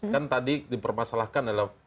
kan tadi dipermasalahkan adalah